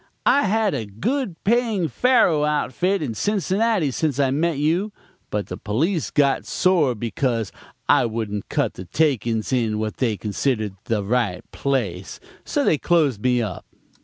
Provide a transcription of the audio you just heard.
I had a good paying faro outfit in Cincinnati since I met you, but the police got sore because I wouldn't cut the takings in what they considered the right place, so they closed me up.'